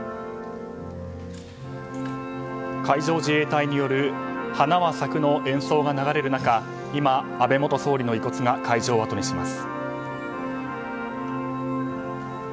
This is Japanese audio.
海上自衛隊による「花は咲く」の演奏が流れる中、安倍元総理の遺骨が会場をあとにします。